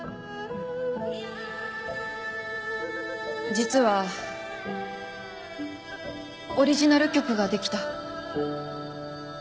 実はオリジナル曲ができた。